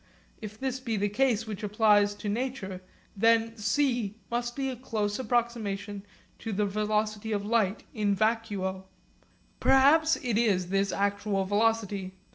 If this be the case which applies to nature, then c must be a close approximation to the velocity of light in vacuo. Perhaps it is this actual velocity.